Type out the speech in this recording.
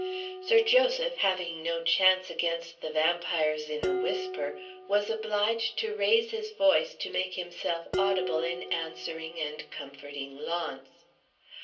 Sir Joseph, having no chance against the Vampires in a whisper, was obliged to raise his voice to make himself audible in answering and comforting Launce.